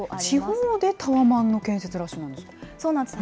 地方でタワマンの建設ラッシュなんですか。